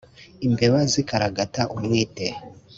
Imbeba zikaragata umwite,